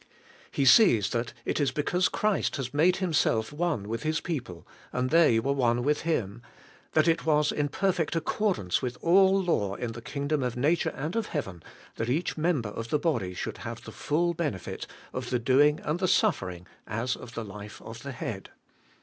He sees that it is because Christ had made Himself one with His people, and they were one with Him; that it was in perfect accordance with all law in the kingdom of nature and of heaven, that each member of the body should have the full benefit of the doing and the suffering as of the life of the head.